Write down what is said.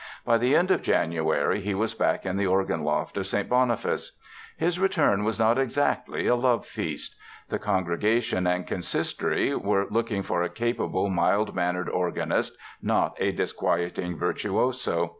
By the end of January he was back in the organ loft of St. Boniface. His return was not exactly a love feast. The congregation and Consistory were looking for a capable, mild mannered organist, not a disquieting virtuoso.